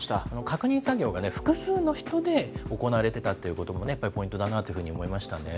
確認作業がね、複数の人で行われてたっていうこともね、やっぱりポイントだなというふうに思いましたね。